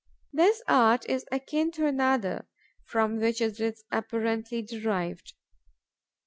This art is akin to another, from which it is apparently derived.